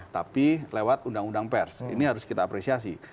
tapi lewat undang undang pers ini harus kita apresiasi